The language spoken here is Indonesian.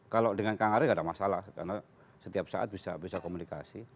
kalau dengan kang ari nggak ada masalah karena setiap saat bisa komunikasi